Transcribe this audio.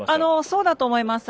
そうだと思います。